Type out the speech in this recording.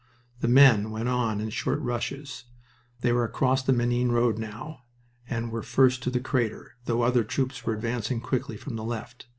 The men went on in short rushes. They were across the Menin road now, and were first to the crater, though other troops were advancing quickly from the left.